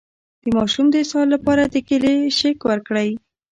د ماشوم د اسهال لپاره د کیلي شیک ورکړئ